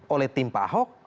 oleh tim pak ahok